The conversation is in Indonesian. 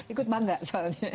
ikut bangga soalnya